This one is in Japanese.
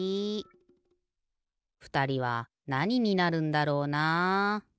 ふたりはなにになるんだろうな。